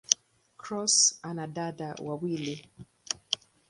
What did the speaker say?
Cross ana dada wawili.